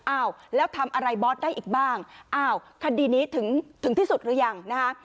อ้าวแล้วทำอะไรบอสได้อีกบ้างอ้าวคดีนี้ถึงถึงที่สุดหรือยังนะคะ